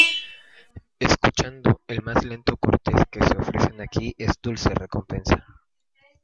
Escuchando el más lento cortes que se ofrecen aquí es dulce recompensa".